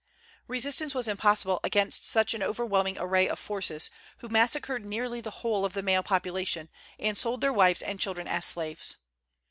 Resistance was impossible against such an overwhelming array of forces, who massacred nearly the whole of the male population, and sold their wives and children as slaves.